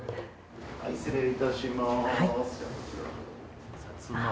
はい失礼いたします。